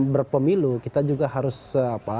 berpemilu kita juga harus